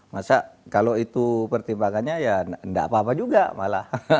masa kalau itu pertimbangannya ya nggak apa apa juga malah